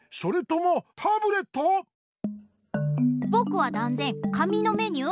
ぼくはだんぜん紙のメニュー。